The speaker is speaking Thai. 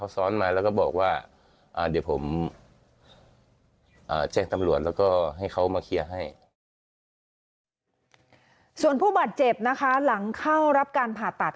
ส่วนผู้บาดเจ็บนะคะหลังเข้ารับการผ่าตัด